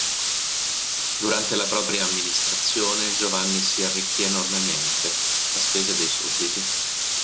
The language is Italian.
Durante la propria amministrazione Giovanni si arricchì enormemente, a spese dei sudditi.